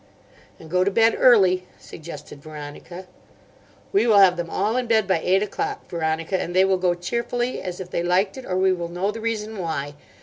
"And go to bed early," suggested Veronica. "We will have them all in bed by eight o'clock, Veronica, and they will go cheerfully, as if they liked it, or we will know the reason why.